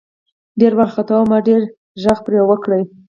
ډېر ورخطا وو ما ډېر غږ پې وکړه .